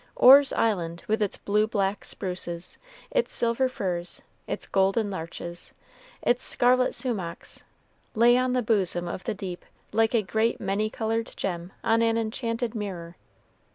Orr's Island, with its blue black spruces, its silver firs, its golden larches, its scarlet sumachs, lay on the bosom of the deep like a great many colored gem on an enchanted mirror.